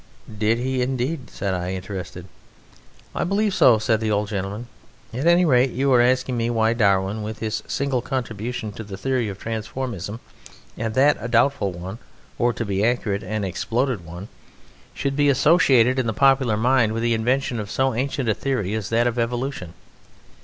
"Did he, indeed?" said I, interested. "I believe so," said the old gentleman; "at any rate you were asking me why Darwin, with his single contribution to the theory of transformism, and that a doubtful one or, to be accurate, an exploded one should be associated in the popular mind with the invention of so ancient a theory as that of evolution.